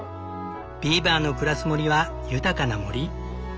ビーバーの暮らす森は豊かな森。